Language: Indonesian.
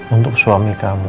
untuk suami kamu